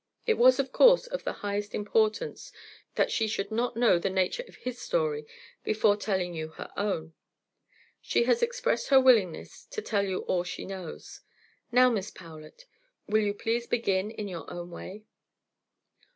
It was, of course, of the highest importance that she should not know the nature of his story before telling you her own. She has expressed her willingness to tell you all she knows. Now, Miss Powlett, will you please begin in your own way."